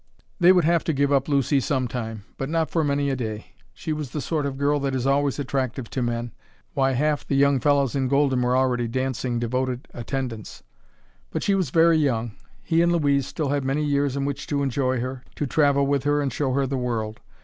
They would have to give up Lucy some time, but not for many a day. She was the sort of girl that is always attractive to men why, half the young fellows in Golden were already dancing devoted attendance! but she was very young; he and Louise still had many years in which to enjoy her, to travel with her and show her the world.